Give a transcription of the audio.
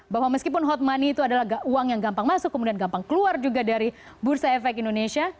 bahwa meskipun hot money itu adalah uang yang gampang masuk kemudian gampang keluar juga dari bursa efek indonesia